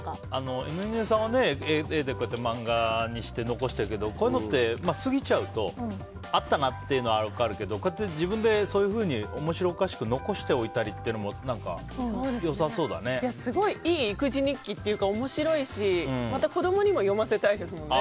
犬犬さんは絵で、こうやって漫画にして残してるけどこういうのって過ぎちゃうとあったなってのは分かるけど自分でそういうふうに面白おかしく残しておいたりっていうのもすごいいい育児日記というか面白いし子供にも読ませたいですね。